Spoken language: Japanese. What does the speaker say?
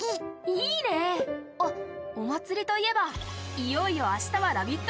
いいね、あっ、お祭りといえばいよいよ明日はＬＯＶＥＩＴ！